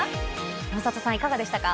山里さんいかがでしたか？